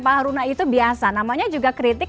pak haruna itu biasa namanya juga kritik